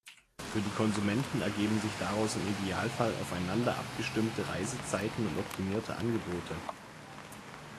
Für die Konsumenten ergeben sich daraus im Idealfall aufeinander abgestimmte Reisezeiten und optimierte Angebote.